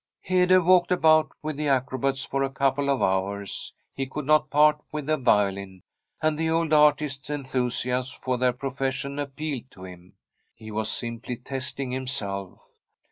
Hede walked about with the acrobats for a couple of hours. He could not part with the violin, and the old artists' enthusiasm for their profession appealed to him. He was simply test ing himself.